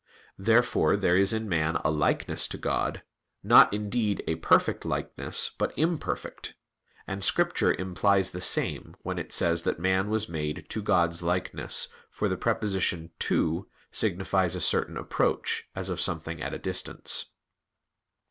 Therefore there is in man a likeness to God; not, indeed, a perfect likeness, but imperfect. And Scripture implies the same when it says that man was made "to" God's likeness; for the preposition "to" signifies a certain approach, as of something at a distance.